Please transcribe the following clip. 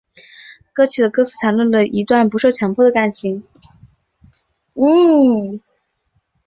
歌曲的歌词谈论了一段不受强迫的感情。